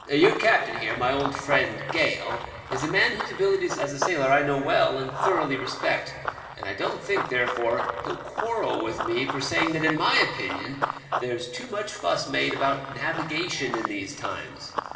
Your captain here, my old friend Gale, is a man whose abilities as a sailor I know well and thoroughly respect, and I don't think, therefore, he'll quarrel with me for saying that in my opinion there's too much fuss made about navigation in these times.